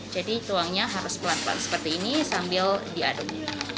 jadi tuangnya harus pelan pelan seperti ini sambil diaduk